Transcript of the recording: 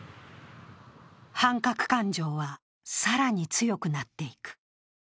反核感情は更に強くなっていく。